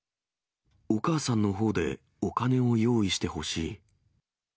お母さんのほうでお金を用意してほしい。